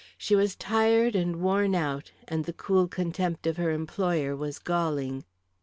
She was tired and worn out, and the cool contempt of her employer was galling.